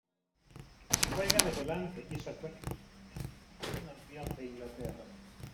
Juega de volante y su actual equipo es el Burton Albion de Inglaterra.